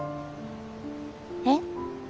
えっ？